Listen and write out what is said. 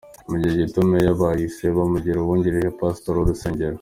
Mu gihe gito, Meyer bahise bamugira uwungirije pasitori w’urusengero.